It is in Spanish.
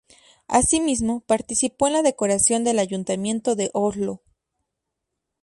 Asimismo, participó en la decoración del Ayuntamiento de Oslo.